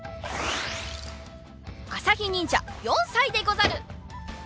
あさひにんじゃ４さいでござる。